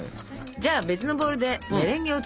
じゃあ別のボウルでメレンゲを作りましょう。